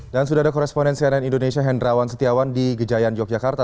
dan sudah ada koresponen cnn indonesia hendrawan setiawan di gejayan yogyakarta